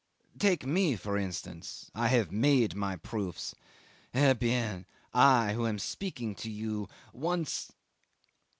. Take me, for instance I have made my proofs. Eh bien! I, who am speaking to you, once